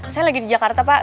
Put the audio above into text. saya lagi di jakarta pak